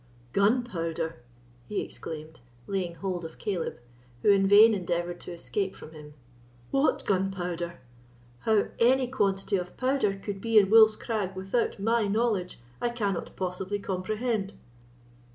"Gunpowder!" he exclaimed, laying hold of Caleb, who in vain endeavoured to escape from him; "what gunpowder? How any quantity of powder could be in Wolf's Crag without my knowledge, I cannot possibly comprehend."